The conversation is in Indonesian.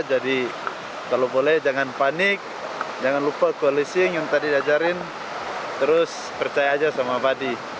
jadi kalau boleh jangan panik jangan lupa kualisir yang tadi diajarin terus percaya aja sama badi